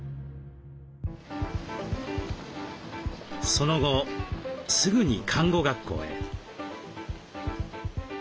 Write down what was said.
その後すぐに看護学校へ。